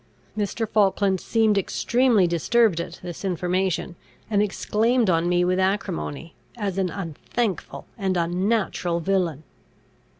Mr. Falkland seemed extremely disturbed at this information, and exclaimed on me with acrimony, as an unthankful and unnatural villain.